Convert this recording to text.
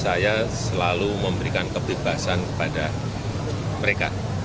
saya selalu memberikan kebebasan kepada mereka